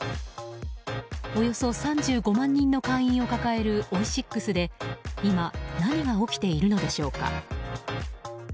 およそ３５万人の会員を抱えるオイシックスで今、何が起きているのでしょうか。